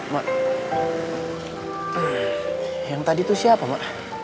mak yang tadi itu siapa mak